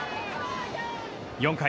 ４回。